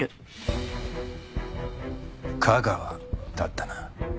架川だったな。